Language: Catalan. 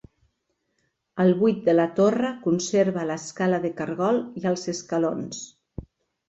El buit de la torre conserva l'escala de caragol i els escalons.